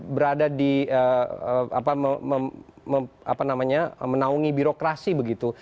berada di apa namanya menaungi birokrasi begitu